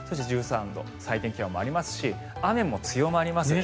１３度、最低気温もありますし雨も強まります。